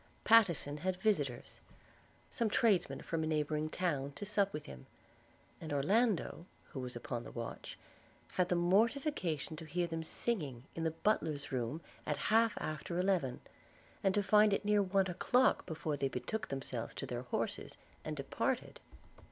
Pattenson had visitors, some tradesman from a neighbouring town, to sup with him; and Orlando, who was upon the watch, had the mortification to hear them singing in the butler's room at half after eleven, and to find it near one o'clock when they betook themselves to their horses, and departed.